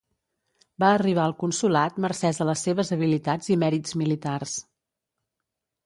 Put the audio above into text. Va arribar al consolat mercès a les seves habilitats i mèrits militars.